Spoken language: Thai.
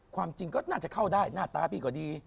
ความจริงก็น่าจะเข้าได้หน้าตาพี่ก็ดี